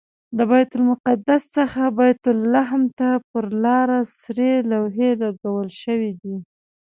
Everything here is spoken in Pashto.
له بیت المقدس څخه بیت لحم ته پر لاره سرې لوحې لګول شوي دي.